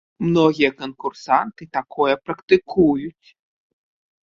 Многія канкурсанты такое практыкуюць.